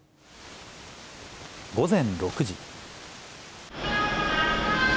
午前６時。